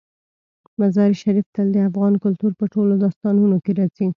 مزارشریف تل د افغان کلتور په ټولو داستانونو کې راځي.